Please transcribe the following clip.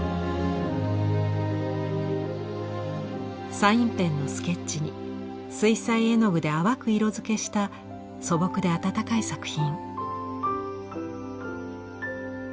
サインペンのスケッチに水彩絵の具で淡く色づけした素朴で温かい作品。